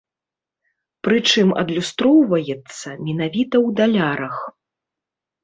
Прычым адлюстроўваецца менавіта ў далярах.